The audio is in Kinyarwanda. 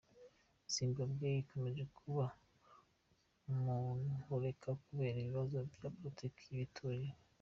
Zimbabwe gikomeje kuba mu ntureka kubera ibibazo vya politike n'ibiturire.